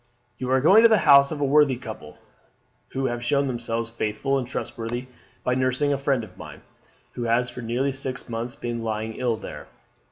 "You are going to the house of a worthy couple, who have shown themselves faithful and trustworthy by nursing a friend of mine, who has for nearly six months been lying ill there.